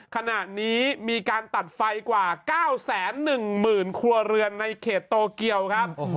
ขณะนี้มีการตัดไฟกว่า๙๑๐๐๐ครัวเรือนในเขตโตเกียวครับ